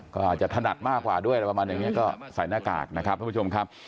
ก็อาจจะถนัดมากกว่าด้วยอะไรประมาณอย่างนี้ก็ใส่หน้ากากนะครับท่านผู้ชมครับ